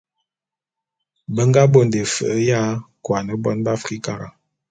Be nga bonde fe'e ya kuane bon b'Afrikara.